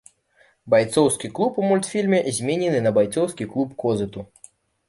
Байцоўскі клуб у мультфільме заменены на байцоўскі клуб козыту.